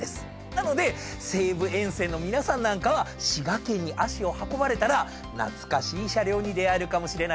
なので西武沿線の皆さんなんかは滋賀県に足を運ばれたら懐かしい車両に出合えるかもしれないですよ。